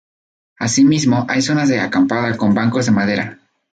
Asi mismo, hay zonas de acampada con bancos de madera.